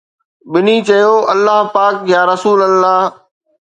ٻنهي چيو: الله پاڪ يا رسول الله